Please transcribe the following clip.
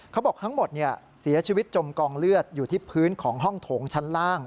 เขาบอกทั้งหมดเสียชีวิตจมกองเลือดอยู่ที่พื้นของห้องโถงชั้นล่าง